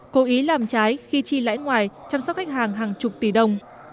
cố ý làm trái khi chi lãi ngoài chăm sóc khách hàng hàng chục tỷ đồng